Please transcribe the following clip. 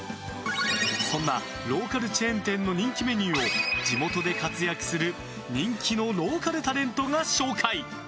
そんなローカルチェーン店の人気メニューを地元で活躍する人気のローカルタレントが紹介。